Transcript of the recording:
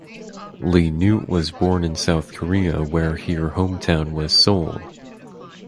Lee Noot was born in South Korea where here hometown was Seoul.